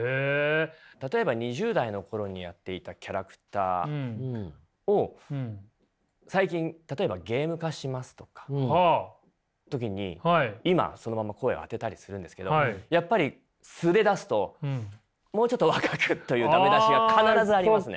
例えば２０代の頃にやっていたキャラクターを最近例えばゲーム化しますとか時に今そのまま声を当てたりするんですけどやっぱり素で出すと「もうちょっと若く」というダメ出しが必ずありますね。